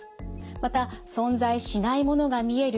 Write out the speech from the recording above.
また存在しないものが見える